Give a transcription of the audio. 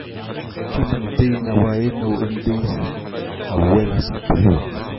Kement den a oa eno en deiz-se a welas he breur.